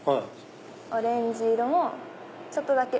オレンジ色もちょっとだけ。